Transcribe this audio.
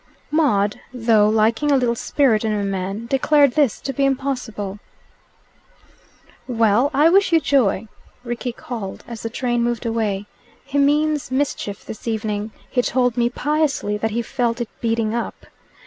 Maud, though liking a little spirit in a man, declared this to be impossible. "Well, I wish you joy!" Rickie called, as the train moved away. "He means mischief this evening. He told me piously that he felt it beating up.